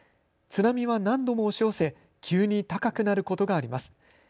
津波は何度も押し寄せ、急に高くなることがあります。